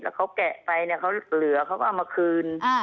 แล้วเขาแกะไปเขาเหลือเขาก็เอามาคืน